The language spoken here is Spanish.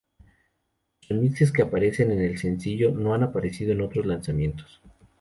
Los remixes que aparecen en el sencillo no han aparecido en otros lanzamientos.